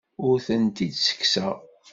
Ur tent-id-ttekkseɣ.